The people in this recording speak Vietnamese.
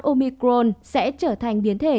omicron sẽ trở thành biến thể